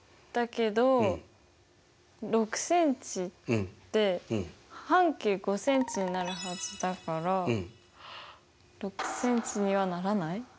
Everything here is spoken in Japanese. だけど６ｃｍで半径５ｃｍになるはずだから６ｃｍにはならない？